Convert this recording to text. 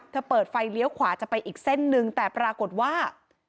เปิดไฟเลี้ยวขวาจะไปอีกเส้นหนึ่งแต่ปรากฏว่า